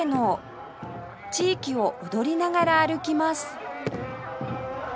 地域を踊りながら歩きます